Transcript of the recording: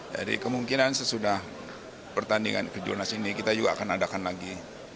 jadi kemungkinan sesudah pertandingan kejuaraan nasional ini kita juga akan adakan lagi